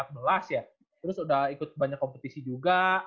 terus udah ikut banyak kompetisi juga